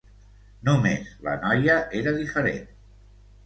Només la noia era diferent.